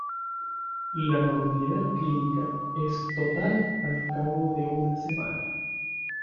La normalidad clínica es total al cabo de una semana.